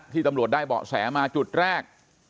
ตำรวจได้เบาะแสมาจุดแรก